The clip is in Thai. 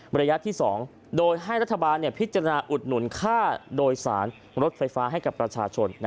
ระยะที่๒โดยให้รัฐบาลพิจารณาอุดหนุนค่าโดยสารรถไฟฟ้าให้กับประชาชน